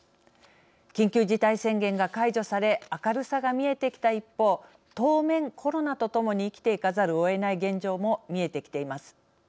緊急事態宣言が解除され明るさが見えてきた一方当面、コロナと共に生きていかざるをえない現状も見えてきています。